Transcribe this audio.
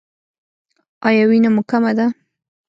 ایا وینه مو کمه ده؟